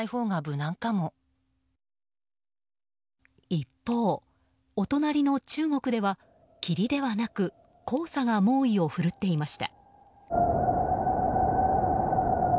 一方、お隣の中国では霧ではなく黄砂が猛威を振るっていました。